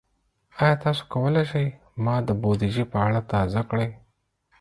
ایا تاسو کولی شئ ما د بودیجې په اړه تازه کړئ؟